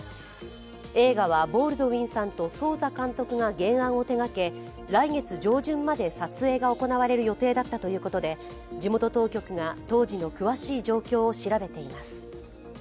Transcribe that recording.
映画はボールドウィンさんとソウザ監督が原案を手がけ来月上旬まで撮影が行われる予定だったということで、地元当局が当時の詳しい状況を調べています。